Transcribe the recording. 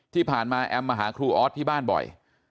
ที่ผ่านมาแอมมาหาครูออสที่บ้านบ่อย